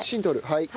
はい。